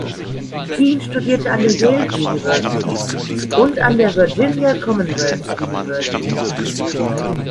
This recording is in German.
Keene studierte an der Yale University und an der Virginia Commonwealth University.